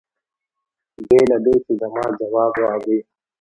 بې له دې چې زما ځواب واوري.